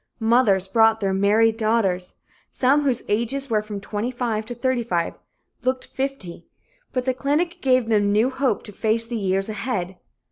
Mothers brought their married daughters. Some whose ages were from 25 to 35 looked fifty, but the clinic gave them new hope to face the years ahead.